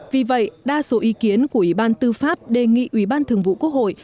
vì vậy đa số ý kiến của ủy ban tư pháp đề nghị ủy ban thường vụ quốc hội